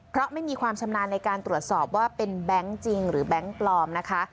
เพราะไม่มีความชำนาญในการตรวจสอบว่าเป็นแบงค์จริงหรือแบงค์ปลอมนะคะ